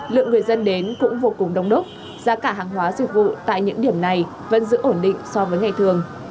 lượng người dân đến cũng vô cùng đông đúc giá cả hàng hóa dịch vụ tại những điểm này vẫn giữ ổn định so với ngày thường